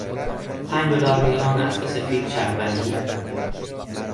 پنج دلار روی آن اسب سفید شرط بندی کرد.